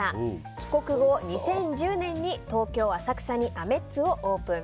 帰国後２０１０年に東京・浅草にアメッツをオープン。